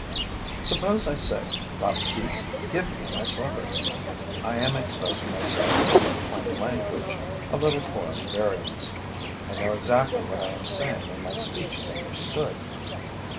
Suppose I say: 'Baptiste, give me my slippers.' I am expressing myself in plain language, a little poor in variants. I know exactly what I am saying and my speech is understood.